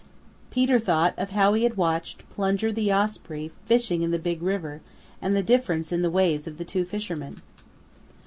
Peter thought of how he had watched Plunger the Osprey fishing in the Big River and the difference in the ways of the two fishermen.